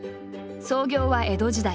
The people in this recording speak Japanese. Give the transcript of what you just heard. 創業は江戸時代。